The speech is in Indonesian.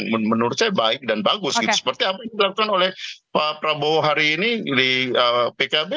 menurut saya baik dan bagus gitu seperti apa yang dilakukan oleh pak prabowo hari ini di pkb